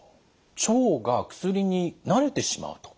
腸が薬に慣れてしまうと。